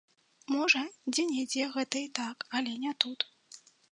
Можа, дзе-нідзе гэта і так, але не тут.